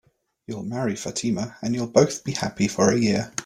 You'll marry Fatima, and you'll both be happy for a year.